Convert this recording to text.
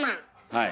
はい。